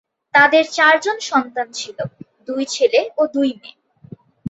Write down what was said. তাদের চারজন সন্তান ছিল, দুই ছেলে ও দুই মেয়ে।